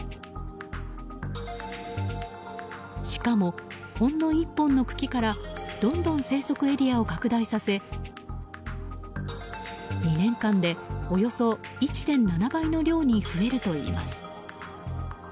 しかも、ほんの１本の茎からどんどん生息エリアを拡大させ２年間で、およそ１．７倍の量に増えるといいます。